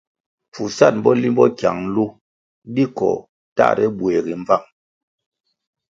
Pfusan bo limbo kyang nlu di koh tahre buegi mbvang.